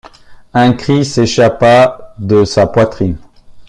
Un cri s’échappa de sa poitrine.